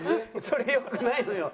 それ良くないのよ。